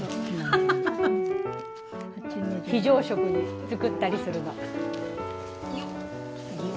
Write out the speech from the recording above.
非常食に作ったりするの。